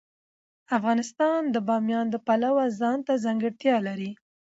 افغانستان د بامیان د پلوه ځانته ځانګړتیا لري.